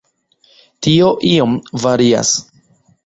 Tio iom varias.